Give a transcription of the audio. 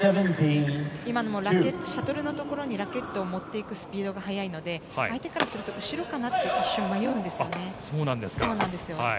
今のもシャトルのところにラケットを持っていくスピードが速いので相手からすると後ろかなと一瞬迷うんですよね。